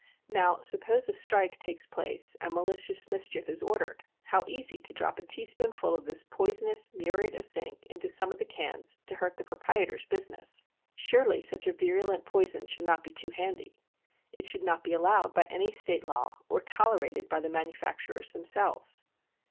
Now, suppose a strike takes place and malicious mischief is ordered, how easy to drop a teaspoonful of this poisonous muriate of zinc into some of the cans to hurt the proprietors' business. Surely such a virulent poison should not be too handy. It. should not be allowed by any State law or tolerated by the manufacturers themselves.